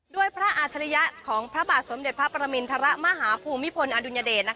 พระอาชริยะของพระบาทสมเด็จพระปรมินทรมาฮภูมิพลอดุลยเดช